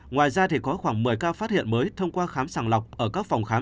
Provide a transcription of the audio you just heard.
ngoài ra thì có khoảng một mươi ca phát hiện mới thông qua khám sàng lọc ở các phòng khám